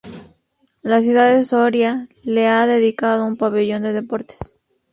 La ciudad de Soria le ha dedicado un pabellón de deportes.